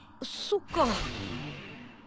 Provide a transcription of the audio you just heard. そっか。